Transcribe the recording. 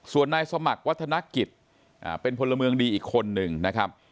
ส่วนนายสมัครวัฒนกิจเป็นพลเมืองดีอีกคนนึงนะครับ